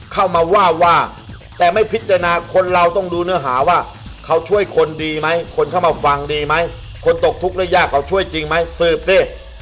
เข้ามาว่าว่าแต่ไม่พิจารณาคนเราต้องดูเนื้อหาว่าเขาช่วยคนดีไหมคนเข้ามาฟังดีไหมคนตกทุกข์หรือยากเขาช่วยจริงไหมสืบสิ